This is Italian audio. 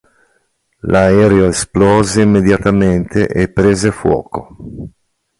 L'aereo esplose immediatamente e prese fuoco.